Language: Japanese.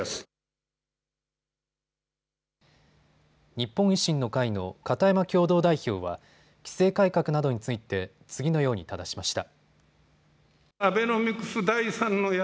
日本維新の会の片山共同代表は規制改革などについて次のようにただしました。